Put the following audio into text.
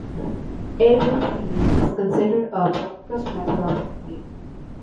Aerial seeding is considered a broadcast method of seeding.